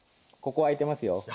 ここ空いてますよ。